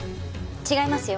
違いますよ